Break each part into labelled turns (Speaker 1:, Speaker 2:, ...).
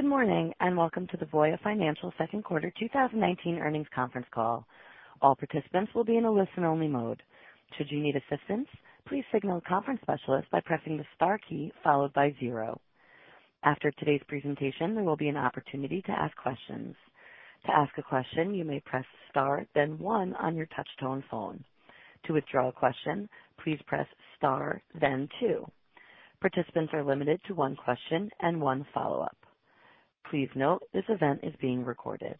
Speaker 1: Good morning. Welcome to the Voya Financial second quarter 2019 earnings conference call. All participants will be in a listen only mode. Should you need assistance, please signal a conference specialist by pressing the star key followed by zero. After today's presentation, there will be an opportunity to ask questions. To ask a question, you may press star then one on your touch-tone phone. To withdraw a question, please press star then two. Participants are limited to one question and one follow-up. Please note this event is being recorded.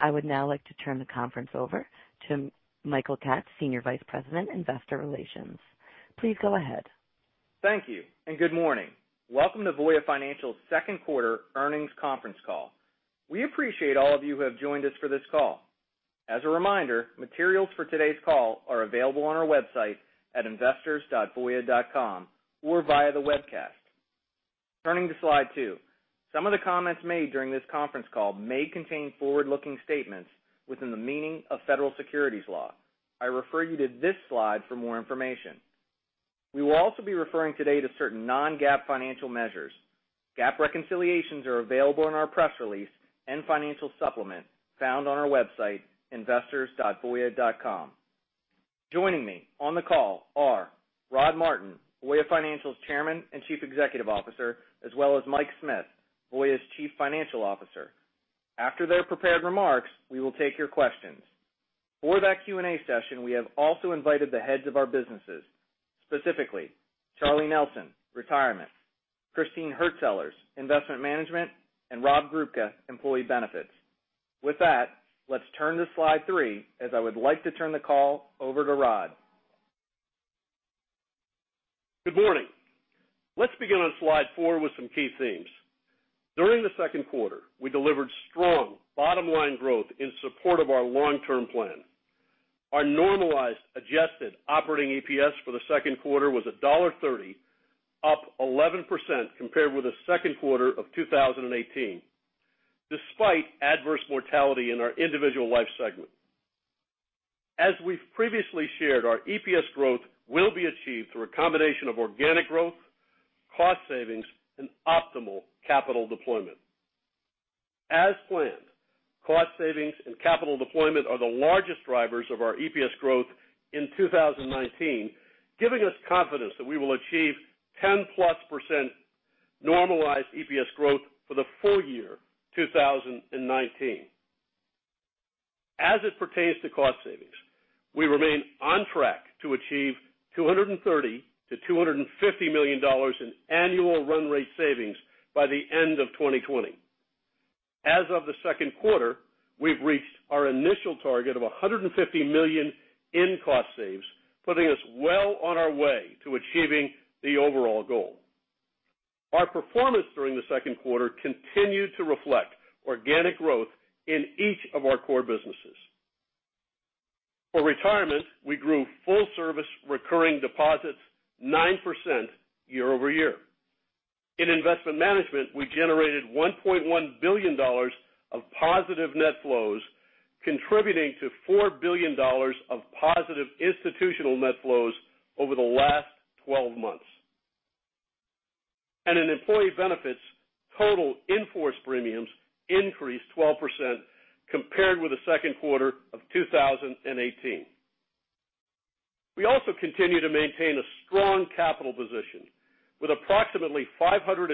Speaker 1: I would now like to turn the conference over to Mike Katz, Senior Vice President, Investor Relations. Please go ahead.
Speaker 2: Thank you. Good morning. Welcome to Voya Financial's second quarter earnings conference call. We appreciate all of you who have joined us for this call. As a reminder, materials for today's call are available on our website at investors.voya.com or via the webcast. Turning to slide two. Some of the comments made during this conference call may contain forward-looking statements within the meaning of federal securities law. I refer you to this slide for more information. We will also be referring today to certain non-GAAP financial measures. GAAP reconciliations are available in our press release and financial supplement found on our website, investors.voya.com. Joining me on the call are Rod Martin, Voya Financial's Chairman and Chief Executive Officer, as well as Mike Smith, Voya's Chief Financial Officer. After their prepared remarks, we will take your questions. For that Q&A session, we have also invited the heads of our businesses, specifically Charlie Nelson, Retirement, Christine Hurtsellers, Investment Management, and Rob Grubka, Employee Benefits. With that, let's turn to slide three as I would like to turn the call over to Rod.
Speaker 3: Good morning. Let's begin on slide four with some key themes. During the second quarter, we delivered strong bottom-line growth in support of our long-term plan. Our normalized adjusted operating EPS for the second quarter was $1.30, up 11% compared with the second quarter of 2018, despite adverse mortality in our individual life segment. As we've previously shared, our EPS growth will be achieved through a combination of organic growth, cost savings, and optimal capital deployment. As planned, cost savings and capital deployment are the largest drivers of our EPS growth in 2019, giving us confidence that we will achieve 10+% normalized EPS growth for the full year 2019. As it pertains to cost savings, we remain on track to achieve $230 million-$250 million in annual run rate savings by the end of 2020. As of the second quarter, we've reached our initial target of $150 million in cost saves, putting us well on our way to achieving the overall goal. Our performance during the second quarter continued to reflect organic growth in each of our core businesses. For Retirement, we grew full service recurring deposits 9% year-over-year. In Investment Management, we generated $1.1 billion of positive net flows, contributing to $4 billion of positive institutional net flows over the last 12 months. In Employee Benefits, total in-force premiums increased 12% compared with the second quarter of 2018. We also continue to maintain a strong capital position with approximately $540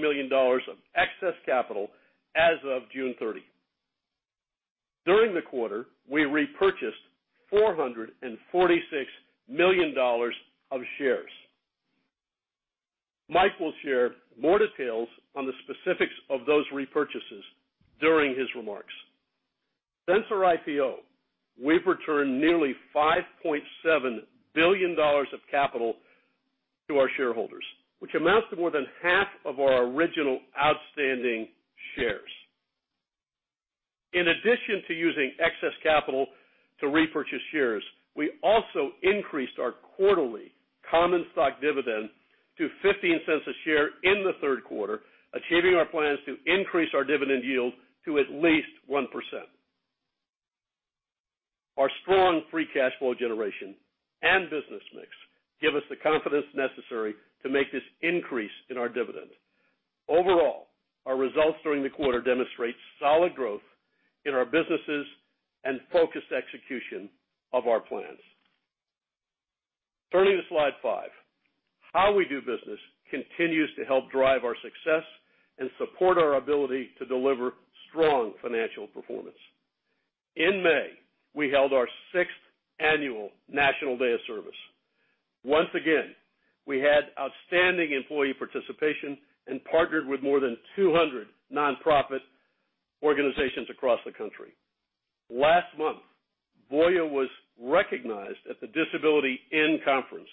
Speaker 3: million of excess capital as of June 30. During the quarter, we repurchased $446 million of shares. Mike will share more details on the specifics of those repurchases during his remarks. Since our IPO, we've returned nearly $5.7 billion of capital to our shareholders, which amounts to more than half of our original outstanding shares. In addition to using excess capital to repurchase shares, we also increased our quarterly common stock dividend to $0.15 a share in the third quarter, achieving our plans to increase our dividend yield to at least 1%. Our strong free cash flow generation and business mix give us the confidence necessary to make this increase in our dividend. Overall, our results during the quarter demonstrate solid growth in our businesses and focused execution of our plans. Turning to slide five. How we do business continues to help drive our success and support our ability to deliver strong financial performance. In May, we held our sixth annual National Day of Service. Once again, we had outstanding employee participation and partnered with more than 200 non-profit organizations across the country. Last month, Voya was recognized at the Disability:IN Conference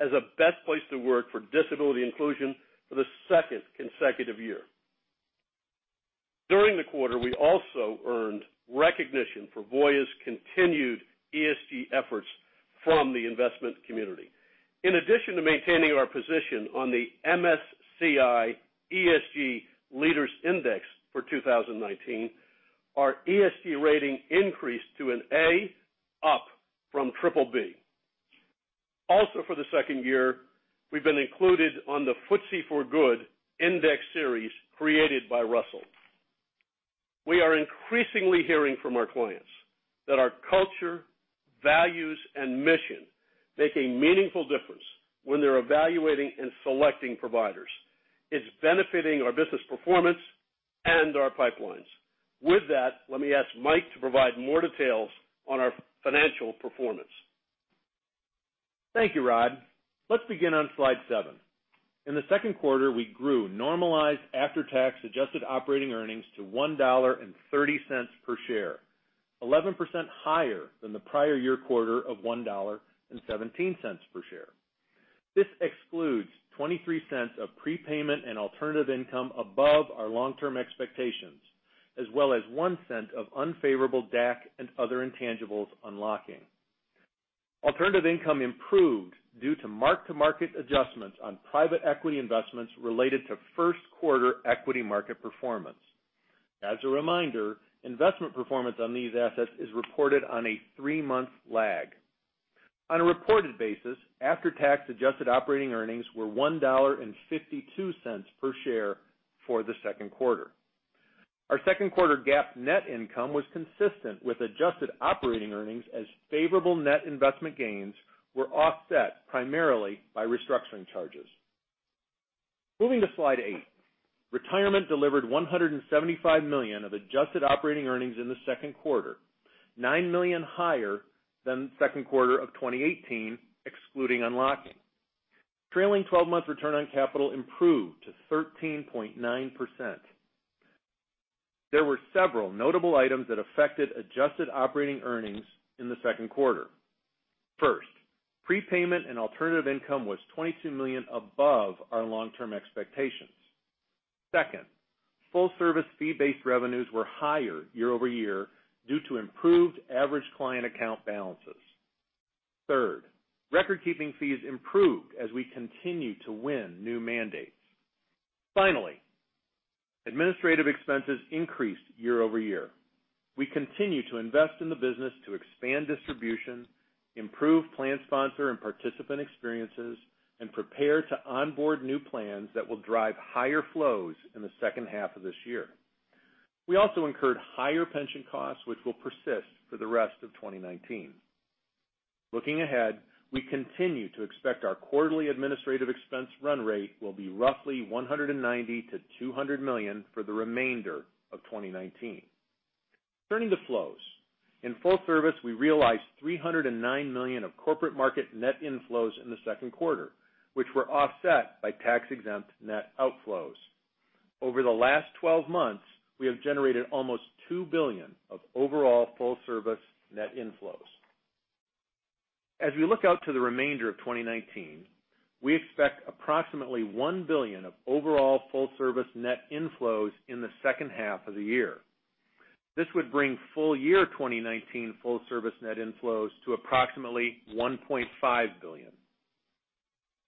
Speaker 3: as a Best Place to Work for Disability Inclusion for the second consecutive year. During the quarter, we also earned recognition for Voya's continued ESG efforts from the investment community. In addition to maintaining our position on the MSCI ESG Leaders Index for 2019, our ESG rating increased to an A, up from triple B. For the second year, we've been included on the FTSE4Good Index Series created by Russell. We are increasingly hearing from our clients that our culture, values, and mission make a meaningful difference when they're evaluating and selecting providers. It's benefiting our business performance and our pipelines. With that, let me ask Mike to provide more details on our financial performance.
Speaker 4: Thank you, Rod. Let's begin on slide seven. In the second quarter, we grew normalized after-tax adjusted operating earnings to $1.30 per share, 11% higher than the prior year quarter of $1.17 per share. This excludes $0.23 of prepayment and alternative income above our long-term expectations, as well as $0.01 of unfavorable DAC and other intangibles unlocking. Alternative income improved due to mark-to-market adjustments on private equity investments related to first quarter equity market performance. As a reminder, investment performance on these assets is reported on a three-month lag. On a reported basis, after-tax adjusted operating earnings were $1.52 per share for the second quarter. Our second quarter GAAP net income was consistent with adjusted operating earnings, as favorable net investment gains were offset primarily by restructuring charges. Moving to slide eight. Retirement delivered $175 million of adjusted operating earnings in the second quarter, $9 million higher than second quarter of 2018, excluding unlocking. Trailing 12-month return on capital improved to 13.9%. There were several notable items that affected adjusted operating earnings in the second quarter. First, prepayment and alternative income was $22 million above our long-term expectations. Second, full-service fee-based revenues were higher year-over-year due to improved average client account balances. Third, record-keeping fees improved as we continue to win new mandates. Finally, administrative expenses increased year-over-year. We continue to invest in the business to expand distribution, improve plan sponsor and participant experiences, and prepare to onboard new plans that will drive higher flows in the second half of this year. We also incurred higher pension costs, which will persist for the rest of 2019. Looking ahead, we continue to expect our quarterly administrative expense run rate will be roughly $190 million-$200 million for the remainder of 2019. Turning to flows. In full-service, we realized $309 million of corporate market net inflows in the second quarter, which were offset by tax-exempt net outflows. Over the last 12 months, we have generated almost $2 billion of overall full-service net inflows. As we look out to the remainder of 2019, we expect approximately $1 billion of overall full-service net inflows in the second half of the year. This would bring full year 2019 full-service net inflows to approximately $1.5 billion.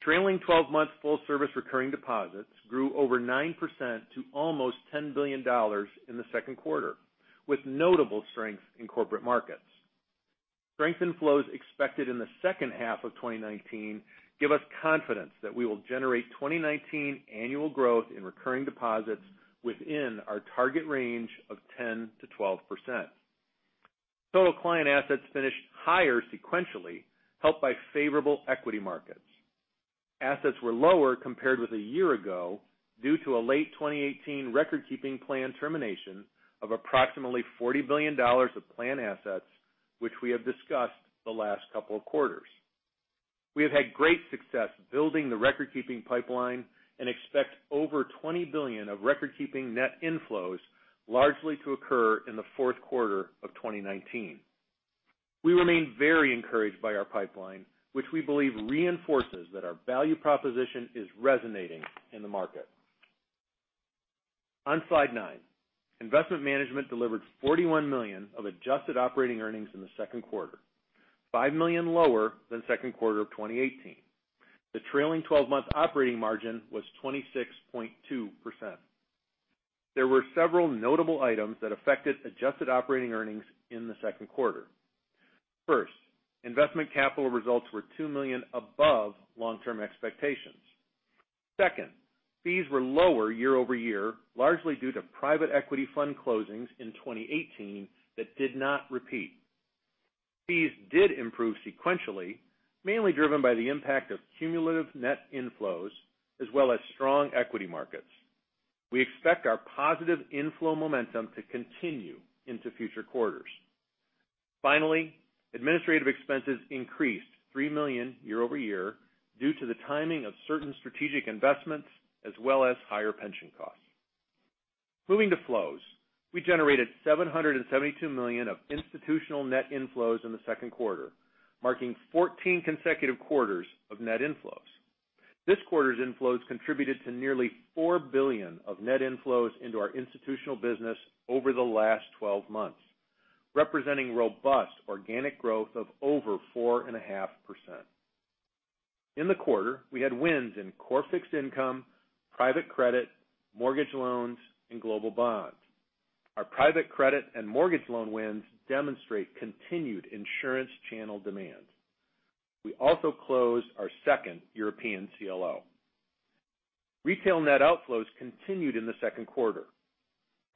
Speaker 4: Trailing 12-months full-service recurring deposits grew over 9% to almost $10 billion in the second quarter, with notable strength in corporate markets. Strength in flows expected in the second half of 2019 give us confidence that we will generate 2019 annual growth in recurring deposits within our target range of 10%-12%. Total client assets finished higher sequentially, helped by favorable equity markets. Assets were lower compared with a year ago due to a late 2018 record-keeping plan termination of approximately $40 billion of plan assets, which we have discussed the last couple of quarters. We have had great success building the record-keeping pipeline and expect over $20 billion of record-keeping net inflows, largely to occur in the fourth quarter of 2019. We remain very encouraged by our pipeline, which we believe reinforces that our value proposition is resonating in the market. On slide nine, Investment Management delivered $41 million of adjusted operating earnings in the second quarter, $5 million lower than second quarter of 2018. The trailing 12-month operating margin was 26.2%. There were several notable items that affected adjusted operating earnings in the second quarter. First, investment capital results were $2 million above long-term expectations. Second, fees were lower year-over-year, largely due to private equity fund closings in 2018 that did not repeat. Fees did improve sequentially, mainly driven by the impact of cumulative net inflows as well as strong equity markets. We expect our positive inflow momentum to continue into future quarters. Finally, administrative expenses increased $3 million year-over-year due to the timing of certain strategic investments as well as higher pension costs. Moving to flows. We generated $772 million of institutional net inflows in the second quarter, marking 14 consecutive quarters of net inflows. This quarter's inflows contributed to nearly $4 billion of net inflows into our institutional business over the last 12 months, representing robust organic growth of over 4.5%. In the quarter, we had wins in core fixed income, private credit, mortgage loans, and global bonds. Our private credit and mortgage loan wins demonstrate continued insurance channel demand. We also closed our second European CLO. Retail net outflows continued in the second quarter.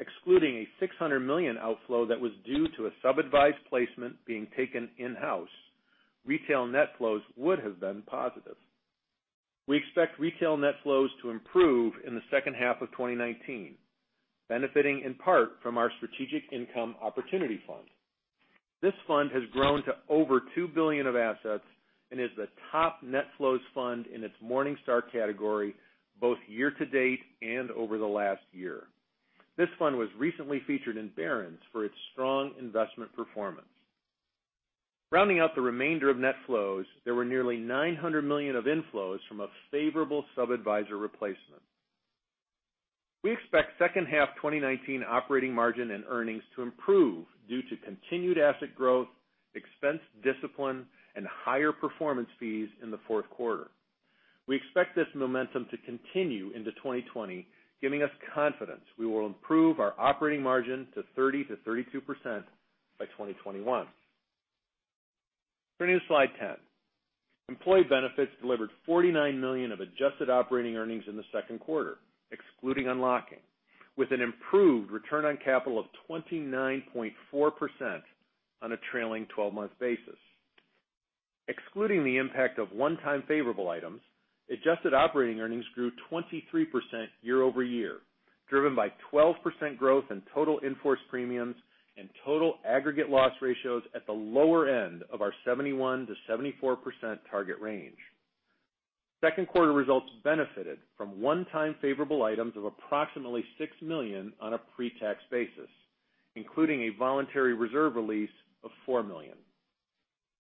Speaker 4: Excluding a $600 million outflow that was due to a sub-advised placement being taken in-house, retail net flows would have been positive. We expect retail net flows to improve in the second half of 2019, benefiting in part from our Voya Strategic Income Opportunities Fund. This fund has grown to over $2 billion of assets and is the top net flows fund in its Morningstar category, both year to date and over the last year. This fund was recently featured in Barron's for its strong investment performance. Rounding out the remainder of net flows, there were nearly $900 million of inflows from a favorable sub-adviser replacement. We expect second half 2019 operating margin and earnings to improve due to continued asset growth, expense discipline, and higher performance fees in the fourth quarter. We expect this momentum to continue into 2020, giving us confidence we will improve our operating margin to 30%-32% by 2021. Turning to slide 10. Voya Employee Benefits delivered $49 million of adjusted operating earnings in the second quarter, excluding unlocking, with an improved return on capital of 29.4% on a trailing 12-month basis. Excluding the impact of one-time favorable items, adjusted operating earnings grew 23% year-over-year, driven by 12% growth in total in-force premiums and total aggregate loss ratios at the lower end of our 71%-74% target range. Second quarter results benefited from one-time favorable items of approximately $6 million on a pre-tax basis, including a Voluntary Benefits reserve release of $4 million.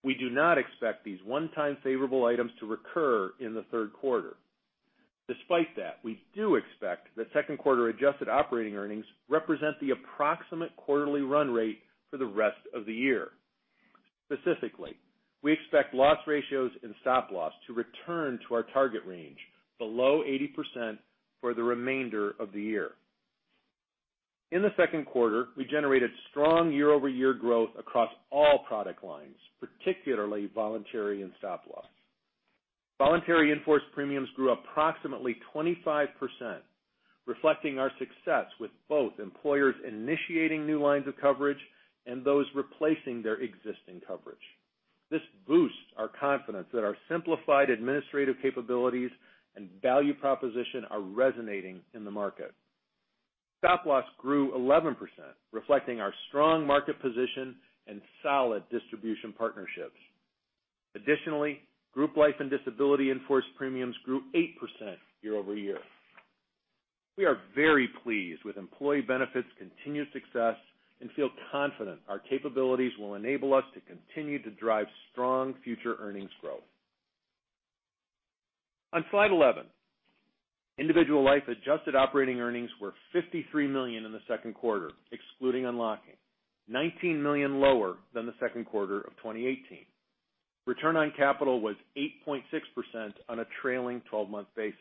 Speaker 4: We do not expect these one-time favorable items to recur in the third quarter. Despite that, we do expect that second quarter-adjusted operating earnings represent the approximate quarterly run rate for the rest of the year. Specifically, we expect loss ratios and Stop Loss to return to our target range below 80% for the remainder of the year. In the second quarter, we generated strong year-over-year growth across all product lines, particularly Voluntary Benefits and Stop Loss. Voluntary Benefits in-force premiums grew approximately 25%, reflecting our success with both employers initiating new lines of coverage and those replacing their existing coverage. This boosts our confidence that our simplified administrative capabilities and value proposition are resonating in the market. Stop Loss grew 11%, reflecting our strong market position and solid distribution partnerships. Additionally, group life and disability in-force premiums grew 8% year-over-year. We are very pleased with Voya Employee Benefits' continued success and feel confident our capabilities will enable us to continue to drive strong future earnings growth. On slide 11, individual life-adjusted operating earnings were $53 million in the second quarter, excluding unlocking, $19 million lower than the second quarter of 2018. Return on capital was 8.6% on a trailing 12-month basis.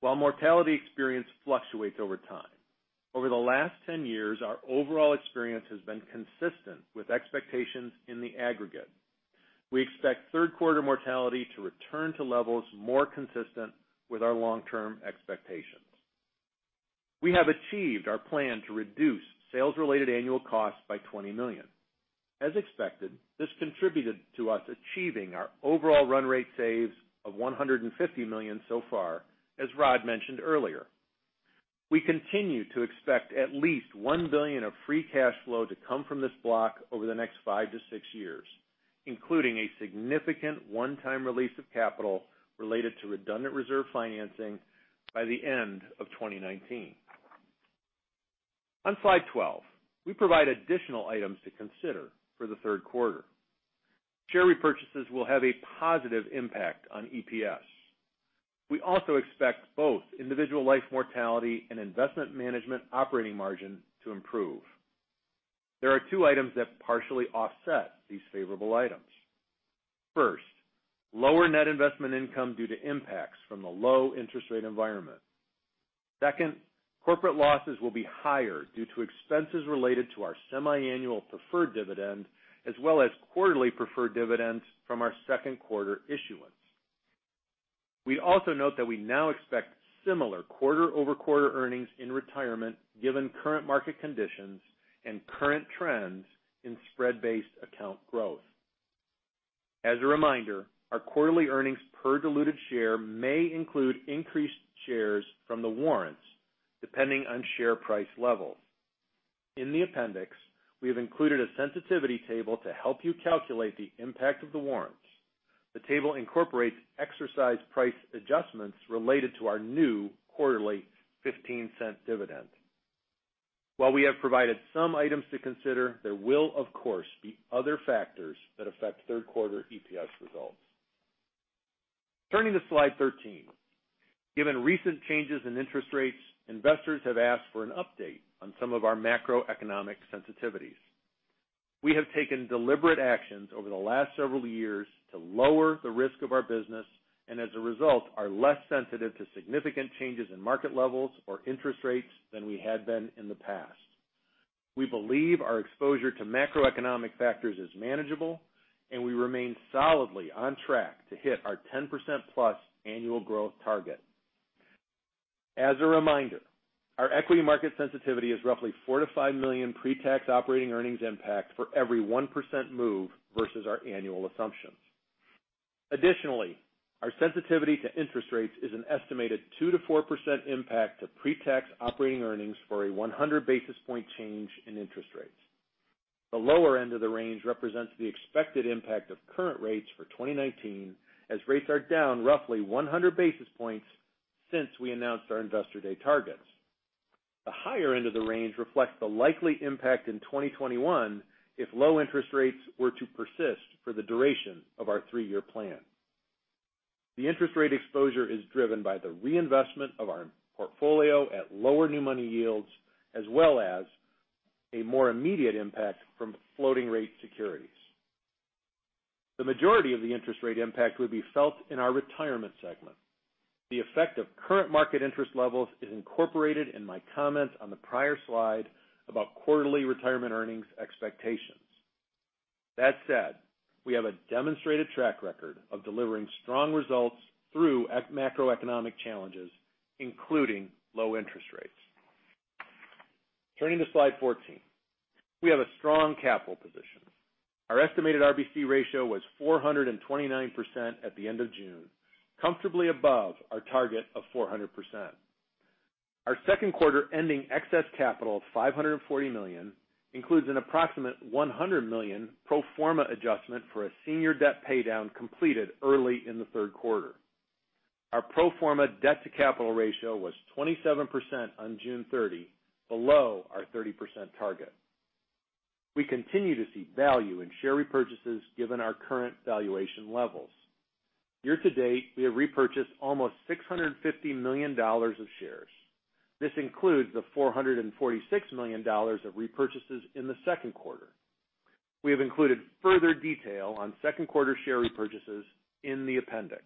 Speaker 4: While mortality experience fluctuates over time, over the last 10 years, our overall experience has been consistent with expectations in the aggregate. We expect third quarter mortality to return to levels more consistent with our long-term expectations. We have achieved our plan to reduce sales-related annual costs by $20 million. As expected, this contributed to us achieving our overall run rate saves of $150 million so far, as Rod mentioned earlier. We continue to expect at least $1 billion of free cash flow to come from this block over the next five to six years, including a significant one-time release of capital related to redundant reserve financing by the end of 2019. On slide 12, we provide additional items to consider for the third quarter. Share repurchases will have a positive impact on EPS. We also expect both individual life mortality and Investment Management operating margin to improve. There are two items that partially offset these favorable items. First, lower net investment income due to impacts from the low interest rate environment. Second, corporate losses will be higher due to expenses related to our semi-annual preferred dividend, as well as quarterly preferred dividends from our second quarter issuance. We also note that we now expect similar quarter-over-quarter earnings in Retirement given current market conditions and current trends in spread-based account growth. As a reminder, our quarterly earnings per diluted share may include increased shares from the warrants, depending on share price levels. In the appendix, we have included a sensitivity table to help you calculate the impact of the warrants. The table incorporates exercise price adjustments related to our new quarterly $0.15 dividend. While we have provided some items to consider, there will, of course, be other factors that affect third quarter EPS results. Turning to slide 13. Given recent changes in interest rates, investors have asked for an update on some of our macroeconomic sensitivities. We have taken deliberate actions over the last several years to lower the risk of our business, and as a result, are less sensitive to significant changes in market levels or interest rates than we had been in the past. We believe our exposure to macroeconomic factors is manageable, and we remain solidly on track to hit our 10%+ annual growth target. As a reminder, our equity market sensitivity is roughly $4 million-$5 million pre-tax operating earnings impact for every 1% move versus our annual assumptions. Additionally, our sensitivity to interest rates is an estimated 2%-4% impact to pre-tax operating earnings for a 100 basis point change in interest rates. The lower end of the range represents the expected impact of current rates for 2019, as rates are down roughly 100 basis points since we announced our Investor Day targets. The higher end of the range reflects the likely impact in 2021 if low interest rates were to persist for the duration of our three-year plan. The interest rate exposure is driven by the reinvestment of our portfolio at lower new money yields, as well as a more immediate impact from floating rate securities. The majority of the interest rate impact would be felt in our Retirement segment. The effect of current market interest levels is incorporated in my comments on the prior slide about quarterly Retirement earnings expectations. That said, we have a demonstrated track record of delivering strong results through macroeconomic challenges, including low interest rates. Turning to slide 14. We have a strong capital position. Our estimated RBC ratio was 429% at the end of June, comfortably above our target of 400%. Our second quarter ending excess capital of $540 million includes an approximate $100 million pro forma adjustment for a senior debt paydown completed early in the third quarter. Our pro forma debt to capital ratio was 27% on June 30, below our 30% target. We continue to see value in share repurchases given our current valuation levels. Year to date, we have repurchased almost $650 million of shares. This includes the $446 million of repurchases in the second quarter. We have included further detail on second quarter share repurchases in the appendix.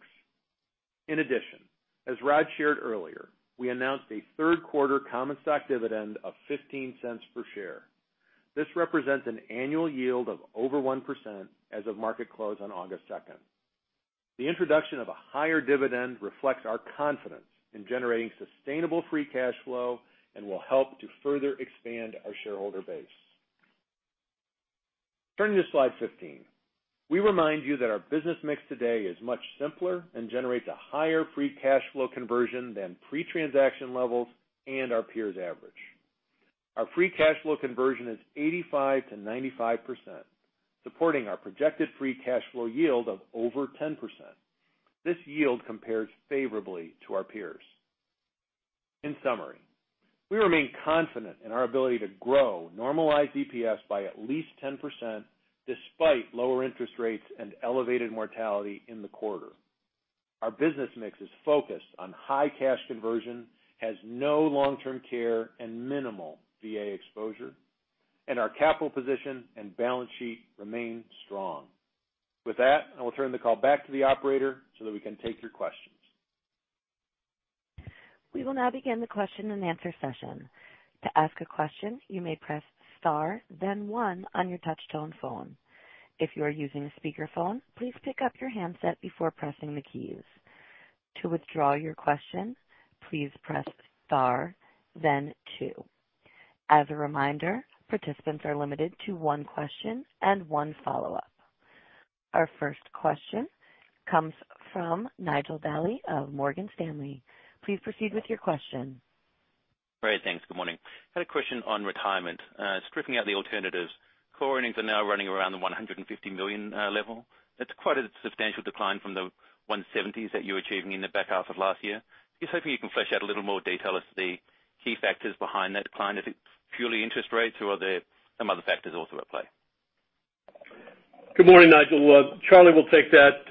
Speaker 4: In addition, as Rod shared earlier, we announced a third quarter common stock dividend of $0.15 per share. This represents an annual yield of over 1% as of market close on August 2nd. The introduction of a higher dividend reflects our confidence in generating sustainable free cash flow and will help to further expand our shareholder base. Turning to slide 15. We remind you that our business mix today is much simpler and generates a higher free cash flow conversion than pre-transaction levels and our peers' average. Our free cash flow conversion is 85%-95%, supporting our projected free cash flow yield of over 10%. This yield compares favorably to our peers. In summary, we remain confident in our ability to grow normalized EPS by at least 10%, despite lower interest rates and elevated mortality in the quarter. Our business mix is focused on high cash conversion, has no long-term care, and minimal VA exposure, and our capital position and balance sheet remain strong. With that, I will turn the call back to the operator so that we can take your questions.
Speaker 1: We will now begin the question and answer session. To ask a question, you may press star then one on your touch-tone phone. If you are using a speakerphone, please pick up your handset before pressing the keys. To withdraw your question, please press star then two. As a reminder, participants are limited to one question and one follow-up. Our first question comes from Nigel Dally of Morgan Stanley. Please proceed with your question.
Speaker 5: Great. Thanks. Good morning. Had a question on retirement. Stripping out the alternatives, core earnings are now running around the $150 million level. That's quite a substantial decline from the $170s that you were achieving in the back half of last year. Just hoping you can flesh out a little more detail as to the key factors behind that decline. Is it purely interest rates, or are there some other factors also at play?
Speaker 3: Good morning, Nigel. Charlie will take that.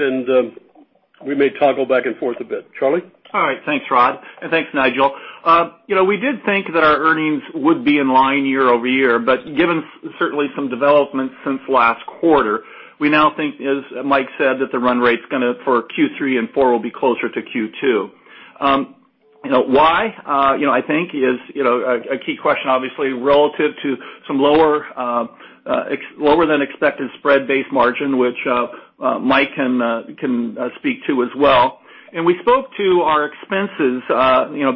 Speaker 3: We may toggle back and forth a bit. Charlie?
Speaker 6: All right. Thanks, Rod. Thanks, Nigel. We did think that our earnings would be in line year-over-year, but given certainly some developments since last quarter, we now think, as Mike said, that the run rate for Q3 and four will be closer to Q2. Why? I think is a key question, obviously, relative to some lower than expected spread-based margin, which Mike can speak to as well. We spoke to our expenses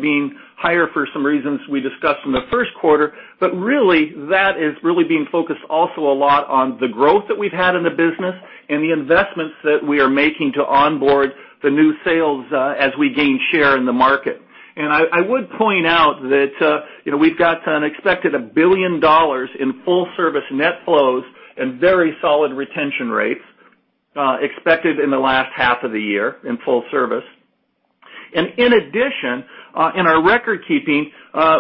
Speaker 6: being higher for some reasons we discussed in the first quarter. Really, that is really being focused also a lot on the growth that we've had in the business and the investments that we are making to onboard the new sales as we gain share in the market. I would point out that we've got expected $1 billion in full service net flows and very solid retention rates expected in the last half of the year in full service. In addition, in our record keeping,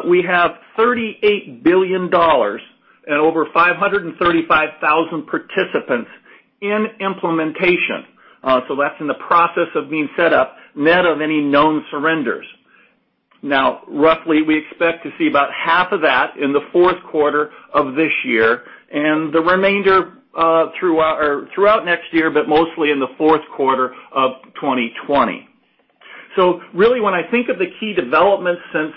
Speaker 6: we have $38 billion and over 535,000 participants in implementation. That's in the process of being set up, none of any known surrenders. Now, roughly, we expect to see about half of that in the fourth quarter of this year and the remainder throughout next year, but mostly in the fourth quarter of 2020. Really, when I think of the key developments since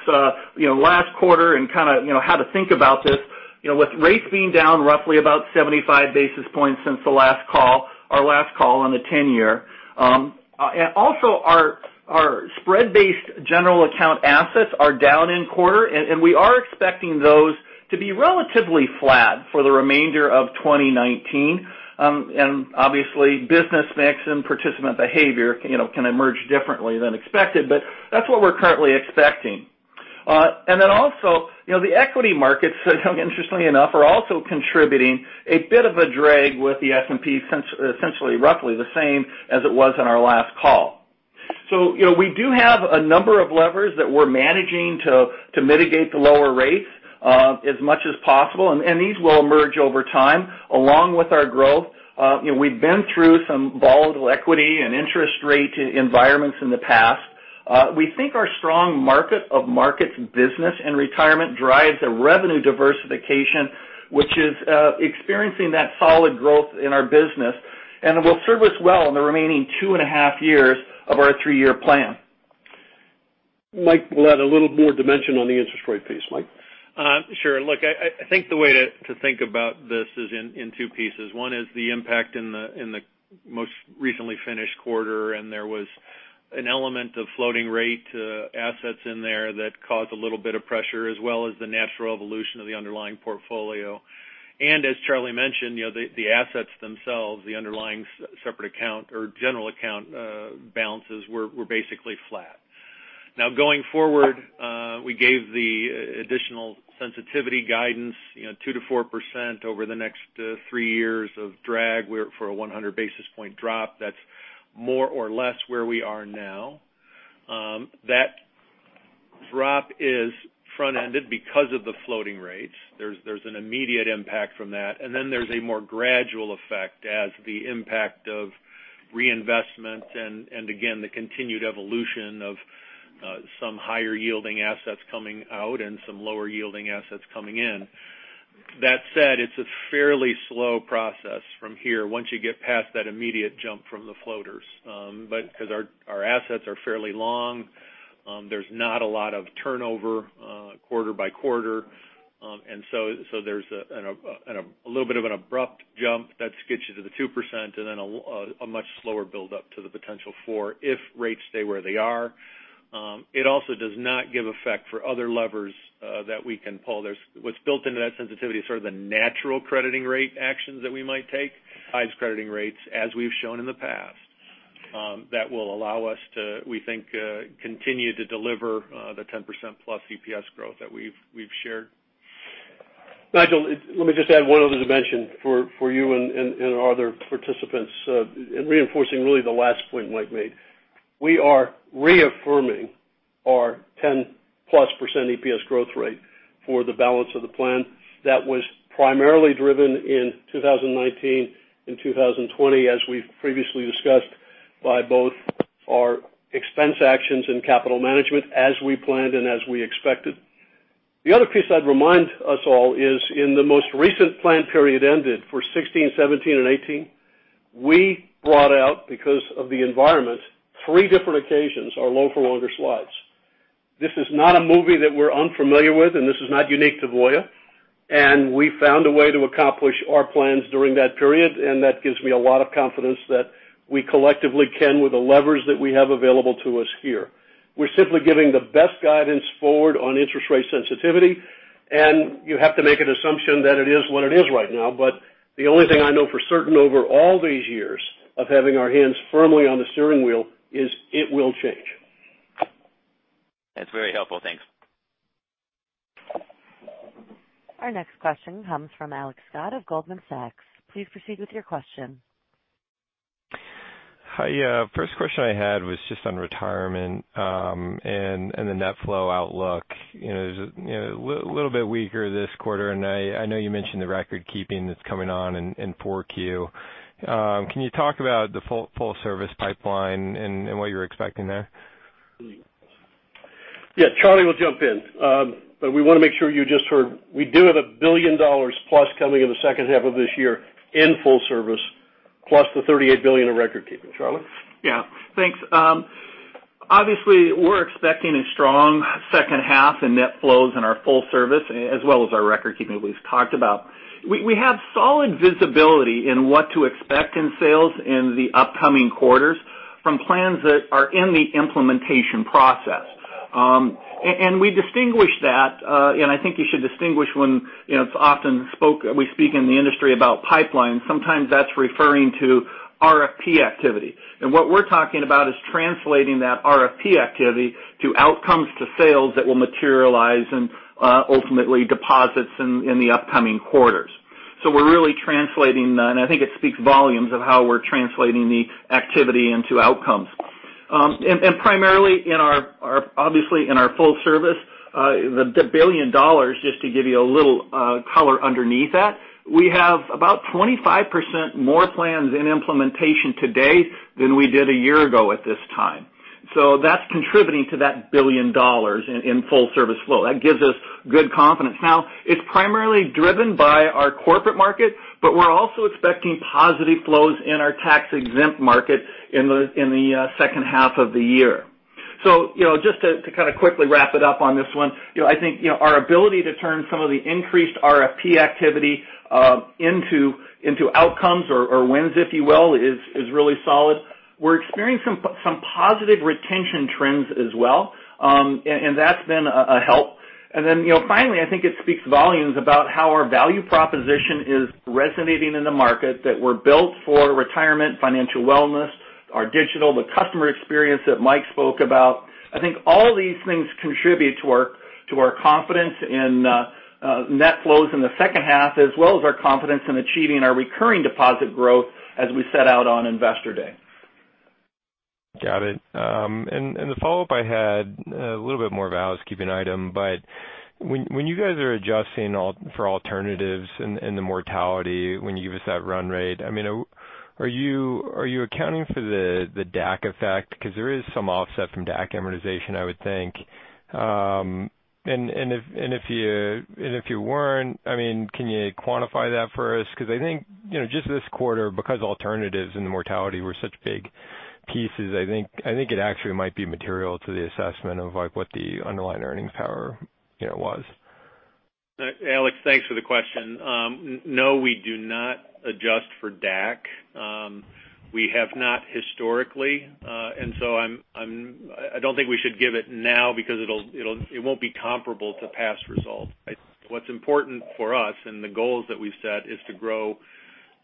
Speaker 6: last quarter and how to think about this, with rates being down roughly about 75 basis points since our last call on the 10-year. Also, our spread-based general account assets are down in quarter. We are expecting those to be relatively flat for the remainder of 2019. Obviously, business mix and participant behavior can emerge differently than expected, but that's what we're currently expecting. Then also, the equity markets, interestingly enough, are also contributing a bit of a drag with the S&P essentially roughly the same as it was in our last call. We do have a number of levers that we're managing to mitigate the lower rates, as much as possible, and these will emerge over time along with our growth. We've been through some volatile equity and interest rate environments in the past. We think our strong market of markets business and Retirement drives a revenue diversification, which is experiencing that solid growth in our business and will serve us well in the remaining two and a half years of our three-year plan.
Speaker 3: Mike will add a little more dimension on the interest rate piece. Mike?
Speaker 4: Sure. Look, I think the way to think about this is in two pieces. One is the impact in the most recently finished quarter, there was an element of floating rate assets in there that caused a little bit of pressure, as well as the natural evolution of the underlying portfolio. As Charlie mentioned, the assets themselves, the underlying separate account or general account balances were basically flat. Going forward, we gave the additional sensitivity guidance, 2%-4% over the next three years of drag, for a 100 basis point drop. That's more or less where we are now. That drop is front-ended because of the floating rates. There's an immediate impact from that, and then there's a more gradual effect as the impact of reinvestment and again, the continued evolution of some higher yielding assets coming out and some lower yielding assets coming in. That said, it's a fairly slow process from here once you get past that immediate jump from the floaters. Because our assets are fairly long, there's not a lot of turnover quarter by quarter. So there's a little bit of an abrupt jump that gets you to the 2% and then a much slower buildup to the potential four, if rates stay where they are. It also does not give effect for other levers that we can pull. What's built into that sensitivity is sort of the natural crediting rate actions that we might take. High crediting rates, as we've shown in the past, that will allow us to, we think, continue to deliver the 10%+ EPS growth that we've shared.
Speaker 3: Nigel, let me just add one other dimension for you and our other participants, reinforcing really the last point Mike made. We are reaffirming our 10-plus% EPS growth rate for the balance of the plan that was primarily driven in 2019 and 2020, as we've previously discussed, by both our expense actions and capital management, as we planned and as we expected. The other piece I'd remind us all is in the most recent plan period ended for 2016, 2017, and 2018, we brought out, because of the environment, three different occasions, our low-for-longer slides. This is not a movie that we're unfamiliar with, and this is not unique to Voya, and we found a way to accomplish our plans during that period, and that gives me a lot of confidence that we collectively can with the levers that we have available to us here. We're simply giving the best guidance forward on interest rate sensitivity, and you have to make an assumption that it is what it is right now. The only thing I know for certain over all these years of having our hands firmly on the steering wheel is it will change.
Speaker 5: That's very helpful. Thanks.
Speaker 1: Our next question comes from Alex Scott of Goldman Sachs. Please proceed with your question.
Speaker 7: Hi. First question I had was just on Voya Retirement, and the net flow outlook. A little bit weaker this quarter, and I know you mentioned the record keeping that's coming on in 4Q. Can you talk about the full service pipeline and what you're expecting there?
Speaker 3: Yeah. Charlie will jump in. We want to make sure you just heard, we do have $1 billion plus coming in the second half of this year in full service, plus the $38 billion in record keeping. Charlie?
Speaker 6: Yeah. Thanks. Obviously, we're expecting a strong second half in net flows in our full service, as well as our record keeping that we've talked about. We have solid visibility in what to expect in sales in the upcoming quarters from plans that are in the implementation process. We distinguish that, and I think you should distinguish when it's often we speak in the industry about pipeline. Sometimes that's referring to RFP activity. What we're talking about is translating that RFP activity to outcomes to sales that will materialize and ultimately deposits in the upcoming quarters. We're really translating that, and I think it speaks volumes of how we're translating the activity into outcomes. Primarily, obviously in our full service, the $1 billion, just to give you a little color underneath that, we have about 25% more plans in implementation today than we did a year ago at this time. That's contributing to that $1 billion in full service flow. That gives us good confidence. Now, it's primarily driven by our corporate market, but we're also expecting positive flows in our tax-exempt market in the second half of the year. Just to quickly wrap it up on this one, I think our ability to turn some of the increased RFP activity into outcomes or wins, if you will, is really solid. We're experiencing some positive retention trends as well. That's been a help. I think it speaks volumes about how our value proposition is resonating in the market that we're built for retirement, financial wellness, our digital, the customer experience that Mike spoke about. I think all these things contribute to our confidence in net flows in the second half, as well as our confidence in achieving our recurring deposit growth as we set out on Investor Day.
Speaker 7: Got it. The follow-up I had, a little bit more of a housekeeping item, when you guys are adjusting for alternatives and the mortality when you give us that run rate, are you accounting for the DAC effect? Because there is some offset from DAC amortization, I would think. If you weren't, can you quantify that for us? Because I think, just this quarter, because alternatives and mortality were such big pieces, I think it actually might be material to the assessment of what the underlying earnings power was.
Speaker 4: Alex, thanks for the question. No, we do not adjust for DAC. We have not historically. I don't think we should give it now because it won't be comparable to past results. What's important for us and the goals that we've set is to grow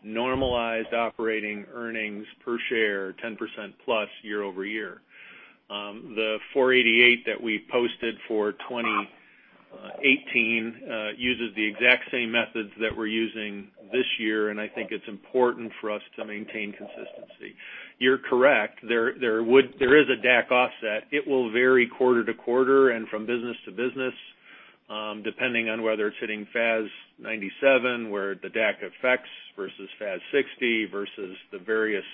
Speaker 4: normalized operating earnings per share 10%+ year-over-year. The 488 that we posted for 2018 uses the exact same methods that we're using this year. I think it's important for us to maintain consistency. You're correct. There is a DAC offset. It will vary quarter-to-quarter and from business to business, depending on whether it's hitting FAS 97, where the DAC affects versus FAS 60 versus the various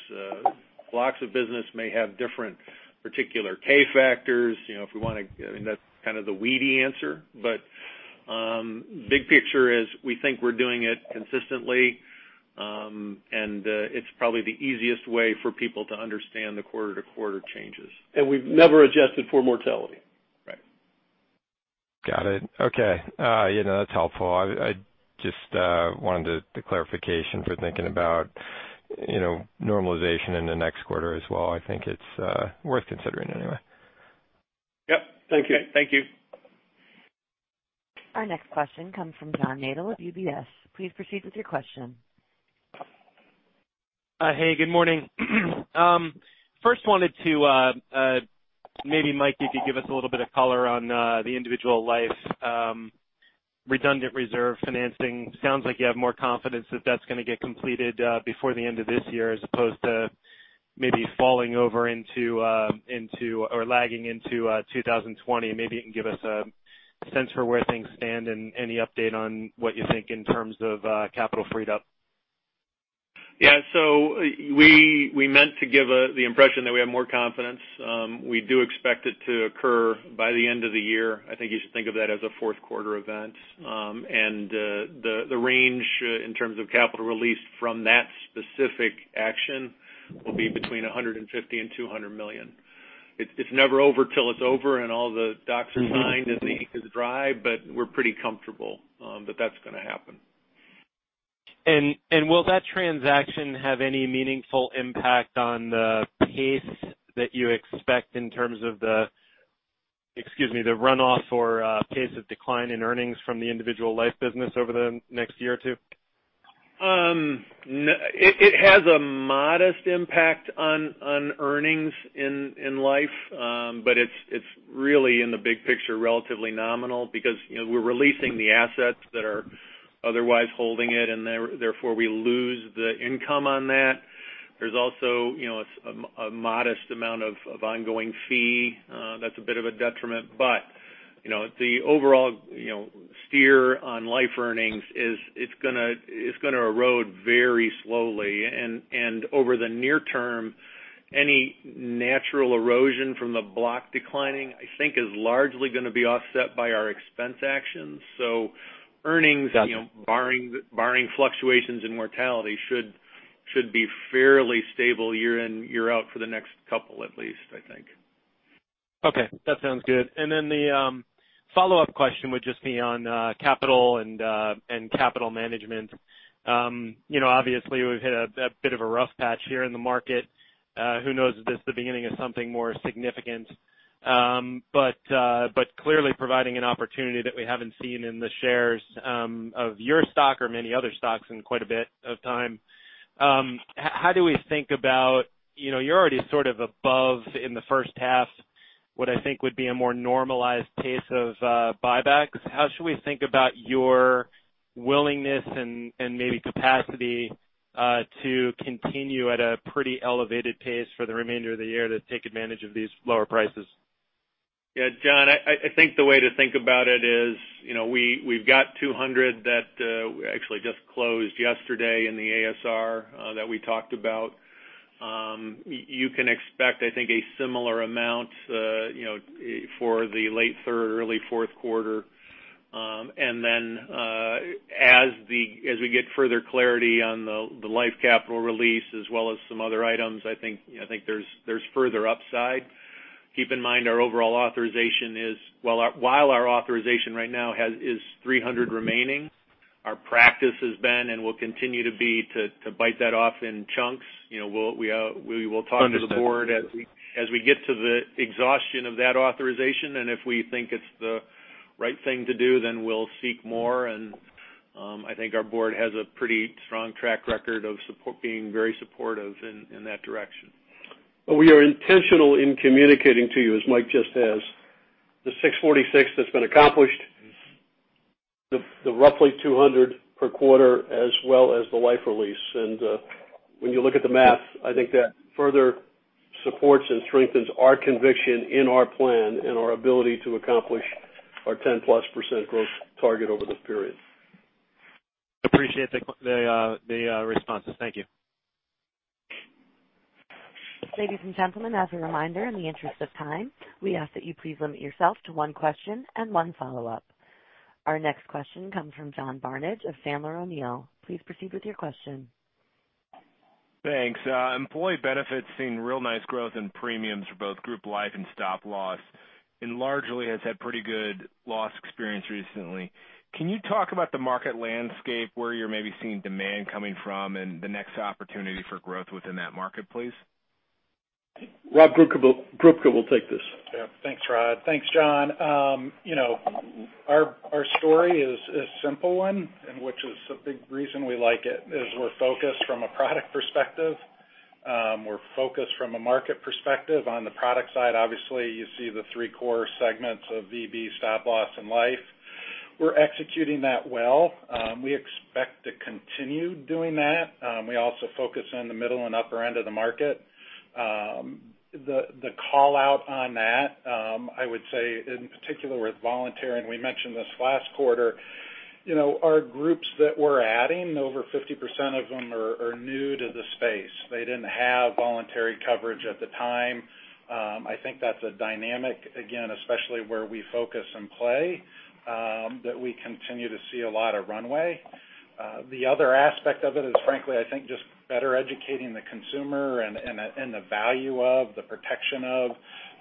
Speaker 4: blocks of business may have different particular K-factors. That's kind of the weedy answer. Big picture is we think we're doing it consistently, it's probably the easiest way for people to understand the quarter-to-quarter changes.
Speaker 6: We've never adjusted for mortality.
Speaker 4: Right.
Speaker 7: Got it. Okay. That's helpful. I just wanted the clarification for thinking about normalization in the next quarter as well. I think it's worth considering anyway.
Speaker 6: Yep. Thank you.
Speaker 4: Thank you.
Speaker 1: Our next question comes from John Nadel of UBS. Please proceed with your question.
Speaker 8: Hey, good morning. First wanted to, maybe Mike, if you could give us a little bit of color on the individual life redundant reserve financing. Sounds like you have more confidence that that's going to get completed before the end of this year as opposed to maybe falling over into or lagging into 2020. Maybe you can give us a sense for where things stand and any update on what you think in terms of capital freed up.
Speaker 4: Yeah. We meant to give the impression that we have more confidence. We do expect it to occur by the end of the year. I think you should think of that as a fourth quarter event. The range in terms of capital release from that specific action will be between $150 million and $200 million. It's never over till it's over, and all the docs are signed. The ink is dry, but we're pretty comfortable that that's going to happen.
Speaker 8: Will that transaction have any meaningful impact on the pace that you expect in terms of the runoff or pace of decline in earnings from the individual life business over the next year or two?
Speaker 4: It has a modest impact on earnings in life, but it's really, in the big picture, relatively nominal because we're releasing the assets that are otherwise holding it, and therefore, we lose the income on that. There's also a modest amount of ongoing fee. That's a bit of a detriment. The overall steer on life earnings is it's going to erode very slowly. Over the near term, any natural erosion from the block declining, I think is largely going to be offset by our expense actions.
Speaker 8: Got it.
Speaker 4: Earnings barring fluctuations in mortality, should be fairly stable year in, year out for the next couple at least, I think.
Speaker 8: Okay. That sounds good. The follow-up question would just be on capital and capital management. Obviously, we've hit a bit of a rough patch here in the market. Who knows if this is the beginning of something more significant? Clearly providing an opportunity that we haven't seen in the shares of your stock or many other stocks in quite a bit of time. How do we think about, you're already sort of above in the first half what I think would be a more normalized pace of buybacks. How should we think about your willingness and maybe capacity to continue at a pretty elevated pace for the remainder of the year to take advantage of these lower prices?
Speaker 4: John, I think the way to think about it is, we've got $200 that actually just closed yesterday in the ASR that we talked about. You can expect, I think, a similar amount for the late third, early fourth quarter. As we get further clarity on the life capital release as well as some other items, I think there's further upside. Keep in mind our overall authorization is, while our authorization right now is $300 remaining, our practice has been and will continue to be to bite that off in chunks. We will talk to the board as we get to the exhaustion of that authorization. If we think it's the right thing to do, we'll seek more, and I think our board has a pretty strong track record of being very supportive in that direction.
Speaker 3: We are intentional in communicating to you, as Mike just has, the $646 that's been accomplished, the roughly $200 per quarter, as well as the life release. When you look at the math, I think that further supports and strengthens our conviction in our plan and our ability to accomplish our 10+% growth target over this period.
Speaker 8: Appreciate the responses. Thank you.
Speaker 1: Ladies and gentlemen, as a reminder, in the interest of time, we ask that you please limit yourself to one question and one follow-up. Our next question comes from John Barnidge of Sandler O'Neill. Please proceed with your question.
Speaker 9: Thanks. Employee Benefits seeing real nice growth in premiums for both group life and Stop Loss, largely has had pretty good loss experience recently. Can you talk about the market landscape, where you're maybe seeing demand coming from and the next opportunity for growth within that market, please?
Speaker 3: Rob Grubka will take this.
Speaker 10: Yeah, thanks, Rod. Thanks, John. Our story is a simple one, which is a big reason we like it, is we're focused from a product perspective. We're focused from a market perspective. On the product side, obviously, you see the three core segments of VB, Stop Loss, and life. We're executing that well. We expect to continue doing that. We also focus on the middle and upper end of the market. The call-out on that, I would say in particular with voluntary, we mentioned this last quarter, our groups that we're adding, over 50% of them are new to the space. They didn't have voluntary coverage at the time. I think that's a dynamic, again, especially where we focus and play, that we continue to see a lot of runway. The other aspect of it is frankly, I think just better educating the consumer and the value of the protection of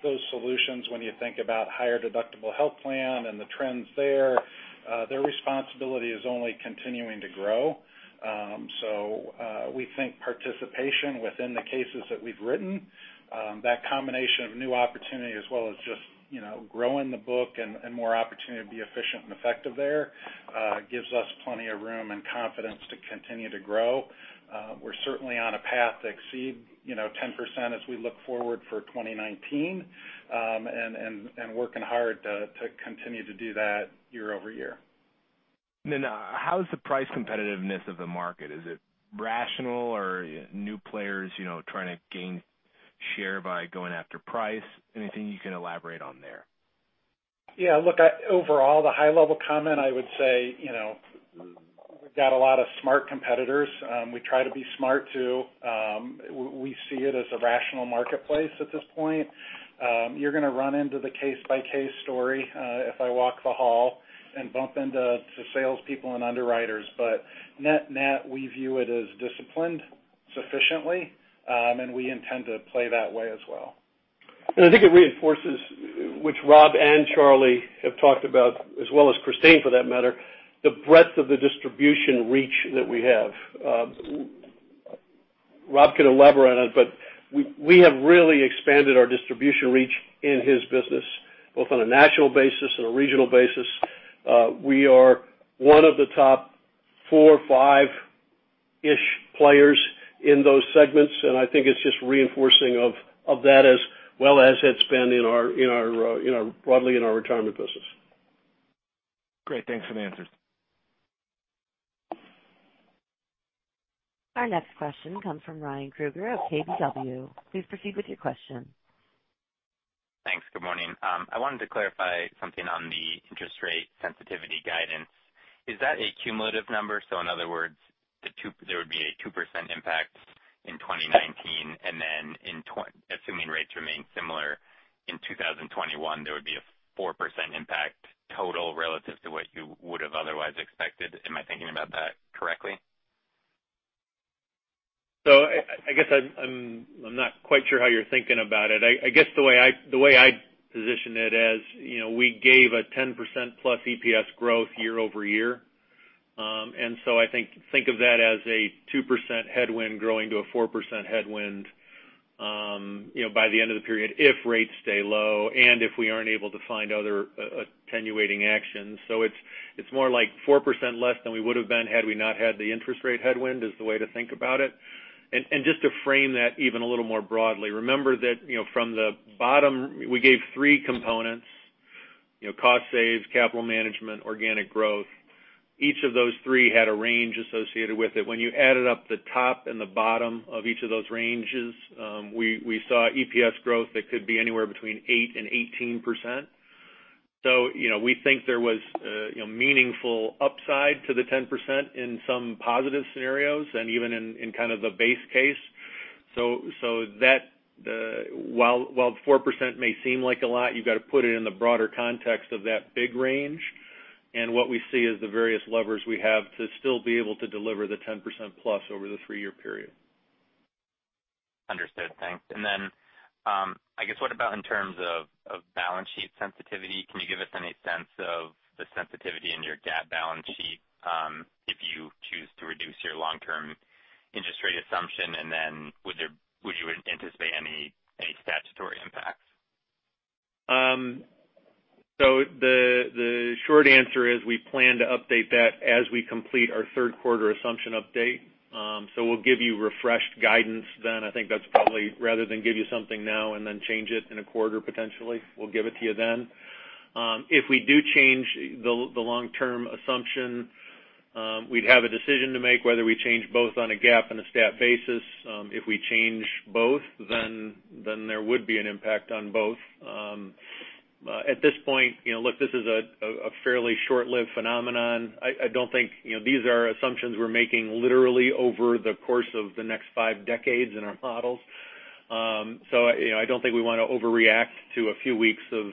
Speaker 10: those solutions when you think about higher deductible health plan and the trends there. Their responsibility is only continuing to grow. We think participation within the cases that we've written, that combination of new opportunity as well as just growing the book and more opportunity to be efficient and effective there gives us plenty of room and confidence to continue to grow. We're certainly on a path to exceed 10% as we look forward for 2019, and working hard to continue to do that year-over-year.
Speaker 9: How is the price competitiveness of the market? Is it rational or are new players trying to gain share by going after price? Anything you can elaborate on there?
Speaker 10: Overall, the high-level comment I would say, we've got a lot of smart competitors. We try to be smart, too. We see it as a rational marketplace at this point. You're going to run into the case-by-case story if I walk the hall and bump into salespeople and underwriters. Net-net, we view it as disciplined sufficiently, and we intend to play that way as well.
Speaker 3: I think it reinforces, which Rob and Charlie have talked about as well as Christine for that matter, the breadth of the distribution reach that we have. Rob can elaborate on it, but we have really expanded our distribution reach in his business, both on a national basis and a regional basis. We are one of the top four, five-ish players in those segments, and I think it's just reinforcing of that as well as it's been broadly in our retirement business.
Speaker 9: Great. Thanks for the answers.
Speaker 1: Our next question comes from Ryan Krueger of KBW. Please proceed with your question.
Speaker 11: Thanks. Good morning. I wanted to clarify something on the interest rate sensitivity guidance. Is that a cumulative number? In other words, there would be a 2% impact in 2019, and then assuming rates remain similar in 2021, there would be a 4% impact total relative to what you would have otherwise expected. Am I thinking about that correctly?
Speaker 4: I guess I'm not quite sure how you're thinking about it. I guess the way I'd position it as we gave a 10%-plus EPS growth year-over-year. I think of that as a 2% headwind growing to a 4% headwind by the end of the period if rates stay low and if we aren't able to find other attenuating actions. It's more like 4% less than we would have been had we not had the interest rate headwind is the way to think about it. Just to frame that even a little more broadly, remember that from the bottom, we gave three components. Cost saves, capital management, organic growth. Each of those three had a range associated with it. When you added up the top and the bottom of each of those ranges, we saw EPS growth that could be anywhere between 8% and 18%. We think there was meaningful upside to the 10% in some positive scenarios and even in kind of the base case. While 4% may seem like a lot, you've got to put it in the broader context of that big range. What we see is the various levers we have to still be able to deliver the 10% plus over the three-year period.
Speaker 11: Understood. Thanks. Then, I guess, what about in terms of balance sheet sensitivity? Can you give us any sense of the sensitivity in your GAAP balance sheet if you choose to reduce your long-term interest rate assumption, and then would you anticipate any statutory impacts?
Speaker 4: The short answer is we plan to update that as we complete our third quarter assumption update. We'll give you refreshed guidance then. I think that's probably rather than give you something now and then change it in a quarter, potentially, we'll give it to you then. If we do change the long-term assumption, we'd have a decision to make whether we change both on a GAAP and a stat basis. If we change both, then there would be an impact on both. At this point, look, this is a fairly short-lived phenomenon. These are assumptions we're making literally over the course of the next five decades in our models. I don't think we want to overreact to a few weeks of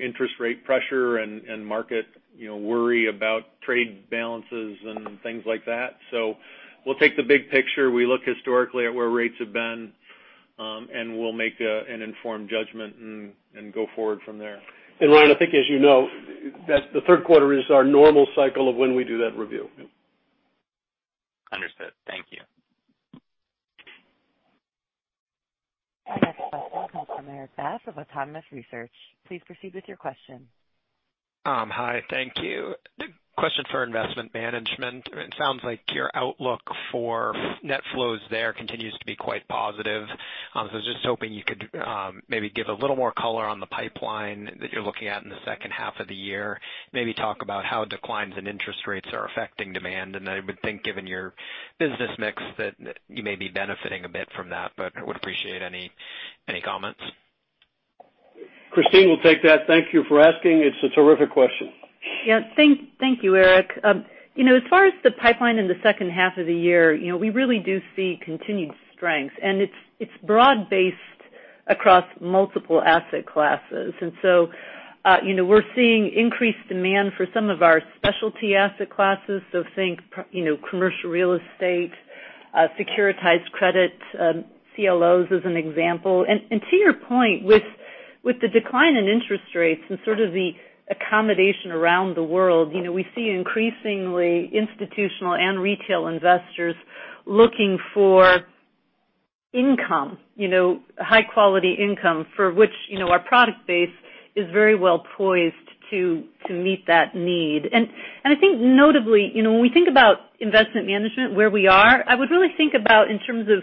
Speaker 4: interest rate pressure and market worry about trade balances and things like that. We'll take the big picture. We look historically at where rates have been, and we'll make an informed judgment and go forward from there.
Speaker 3: Ryan, I think as you know, the third quarter is our normal cycle of when we do that review.
Speaker 11: Understood. Thank you.
Speaker 1: Our next question comes from Erik Bass of Autonomous Research. Please proceed with your question.
Speaker 12: Hi, thank you. Question for investment management. It sounds like your outlook for net flows there continues to be quite positive. I was just hoping you could maybe give a little more color on the pipeline that you're looking at in the second half of the year. Talk about how declines in interest rates are affecting demand, and I would think given your business mix, that you may be benefiting a bit from that, but I would appreciate any comments.
Speaker 3: Christine will take that. Thank you for asking. It's a terrific question.
Speaker 13: Thank you, Erik. As far as the pipeline in the second half of the year, we really do see continued strength, and it's broad-based across multiple asset classes. We're seeing increased demand for some of our specialty asset classes. Think commercial real estate, securitized credit, CLOs as an example. To your point, with the decline in interest rates and sort of the accommodation around the world, we see increasingly institutional and retail investors looking for income, high-quality income, for which our product base is very well poised to meet that need. I think notably, when we think about Investment Management, where we are, I would really think about in terms of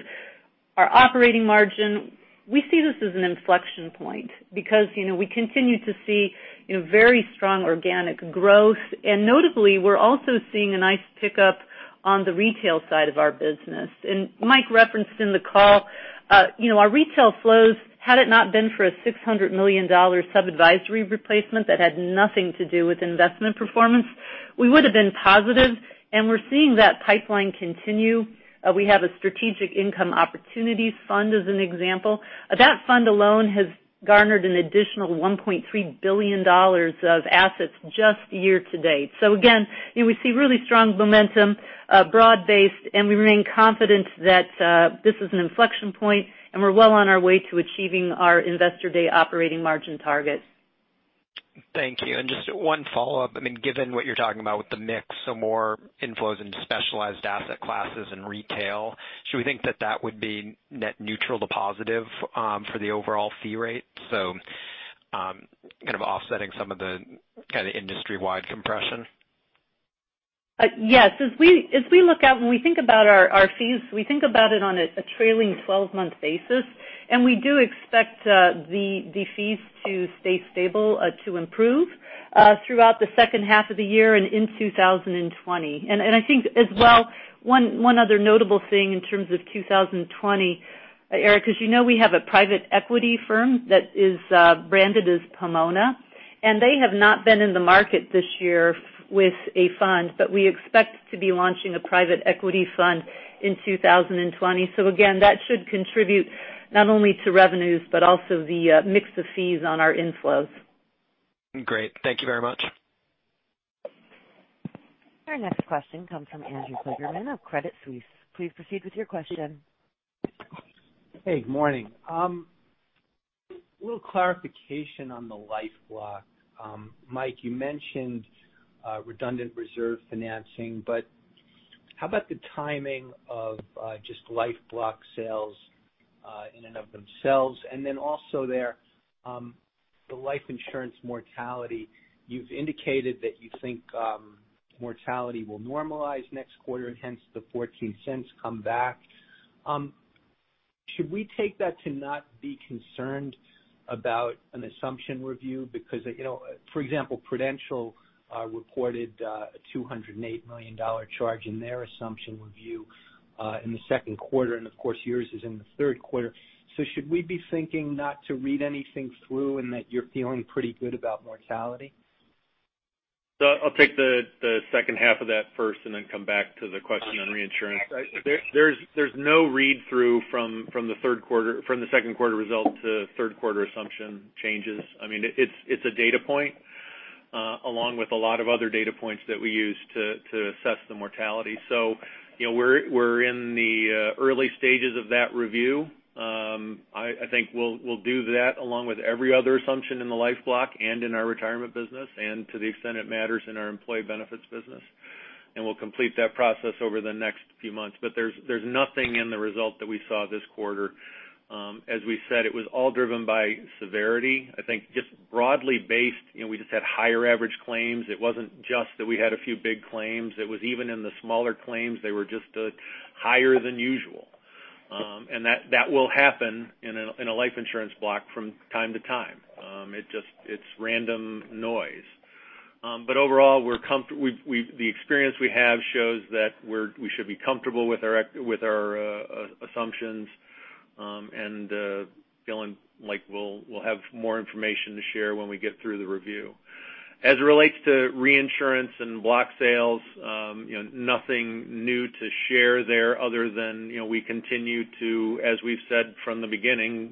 Speaker 13: our operating margin. We see this as an inflection point because we continue to see very strong organic growth. Notably, we're also seeing a nice pickup on the retail side of our business. Mike referenced in the call our retail flows, had it not been for a $600 million sub-advisory replacement that had nothing to do with investment performance, we would have been positive. We're seeing that pipeline continue. We have a Strategic Income Opportunities Fund as an example. That fund alone has garnered an additional $1.3 billion of assets just year-to-date. Again, we see really strong momentum, broad-based, and we remain confident that this is an inflection point, and we're well on our way to achieving our Investor Day operating margin target.
Speaker 12: Thank you. Just one follow-up. Given what you're talking about with the mix, more inflows into specialized asset classes and retail, should we think that that would be net neutral to positive for the overall fee rate? Kind of offsetting some of the kind of industry-wide compression?
Speaker 13: Yes. As we look out, when we think about our fees, we think about it on a trailing 12-month basis, we do expect the fees to stay stable, to improve throughout the second half of the year and in 2020. I think as well, one other notable thing in terms of 2020, Erik, as you know, we have a private equity firm that is branded as Pomona, they have not been in the market this year with a fund, we expect to be launching a private equity fund in 2020. Again, that should contribute not only to revenues, but also the mix of fees on our inflows.
Speaker 12: Great. Thank you very much.
Speaker 1: Our next question comes from Andrew Kligerman of Credit Suisse. Please proceed with your question.
Speaker 14: Hey, good morning. A little clarification on the Life Block. Mike, you mentioned redundant reserve financing, how about the timing of just Life Block sales In and of themselves. Also there, the life insurance mortality, you've indicated that you think mortality will normalize next quarter, hence the $0.14 come back. Should we take that to not be concerned about an assumption review? For example, Prudential reported a $208 million charge in their assumption review, in the second quarter, of course, yours is in the third quarter. Should we be thinking not to read anything through and that you're feeling pretty good about mortality?
Speaker 4: I'll take the second half of that first and then come back to the question on reinsurance. There's no read-through from the second quarter result to third quarter assumption changes. It's a data point, along with a lot of other data points that we use to assess the mortality. We're in the early stages of that review. I think we'll do that along with every other assumption in the life block and in our Retirement business and to the extent it matters in our Employee Benefits business. We'll complete that process over the next few months. There's nothing in the result that we saw this quarter. As we said, it was all driven by severity. I think just broadly based, we just had higher average claims. It wasn't just that we had a few big claims, it was even in the smaller claims, they were just higher than usual. That will happen in a life insurance block from time to time. It's random noise. Overall, the experience we have shows that we should be comfortable with our assumptions, and feeling like we'll have more information to share when we get through the review. As it relates to reinsurance and block sales, nothing new to share there other than we continue to, as we've said from the beginning,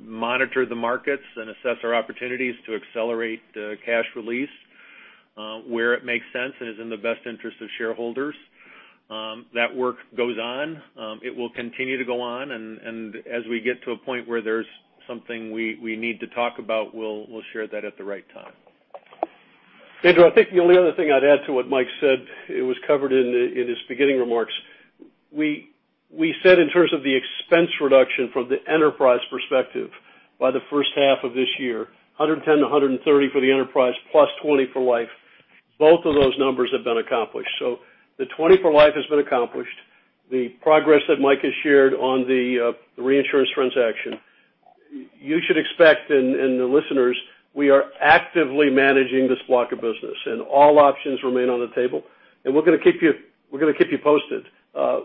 Speaker 4: monitor the markets and assess our opportunities to accelerate cash release where it makes sense and is in the best interest of shareholders. That work goes on. It will continue to go on, as we get to a point where there's something we need to talk about, we'll share that at the right time.
Speaker 3: Andrew, I think the only other thing I'd add to what Mike said, it was covered in his beginning remarks. We said in terms of the expense reduction from the enterprise perspective, by the first half of this year, $110 million-$130 million for the enterprise plus $20 million for life. Both of those numbers have been accomplished. The $20 million for life has been accomplished. The progress that Mike has shared on the reinsurance transaction. You should expect, and the listeners, we are actively managing this block of business, and all options remain on the table. We're going to keep you posted.